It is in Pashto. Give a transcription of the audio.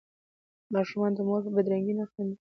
ماشومان د مور په بدرنګۍ نه خاندي.